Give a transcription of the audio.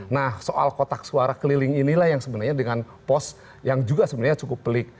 nah soal kotak suara keliling inilah yang sebenarnya dengan pos yang juga sebenarnya cukup pelik